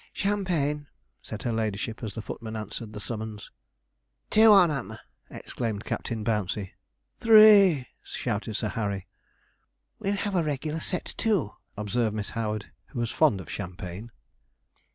'Champagne,' said her ladyship, as the footman answered the summons. 'Two on 'em!' exclaimed Captain Bouncey. 'Three!' shouted Sir Harry. 'We'll have a regular set to,' observed Miss Howard, who was fond of champagne.